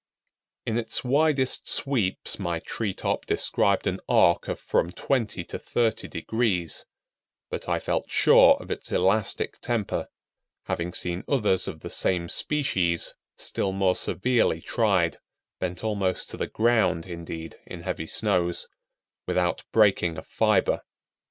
] In its widest sweeps my tree top described an arc of from twenty to thirty degrees, but I felt sure of its elastic temper, having seen others of the same species still more severely tried—bent almost to the ground indeed, in heavy snows—without breaking a fiber.